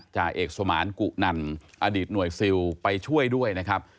จ่าเอกสมานกุนันอดีตหน่วยซิลไปช่วยด้วยนะครับ